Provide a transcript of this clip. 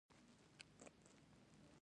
دولتونه دلته د حل لارې موندلو هڅه کوي